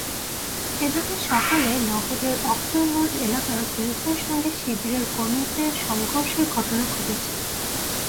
এদিকে সকালে নগরের অক্টোর মোড় এলাকায়ও পুলিশের সঙ্গে শিবিরের কর্মীদের সংঘর্ষের ঘটনা ঘটেছে।